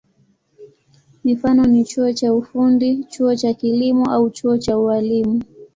Mifano ni chuo cha ufundi, chuo cha kilimo au chuo cha ualimu.